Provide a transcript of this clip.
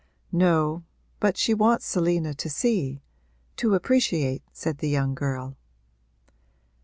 'No, but she wants Selina to see to appreciate,' said the young girl.